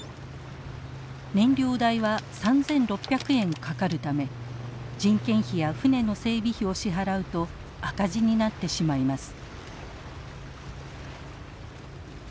燃料代は３，６００円かかるため人件費や船の整備費を支払うと赤字になってしまいます。